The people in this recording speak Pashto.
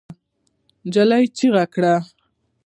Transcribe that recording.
نجلۍ چيغه کړه.